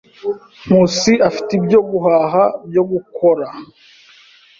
Nkusi afite ibyo guhaha byo gukora.